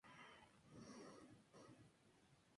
Estaba a cargo del corregidor de Rere.